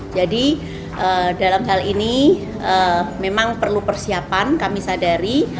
jadi dalam hal ini memang perlu persiapan kami sadari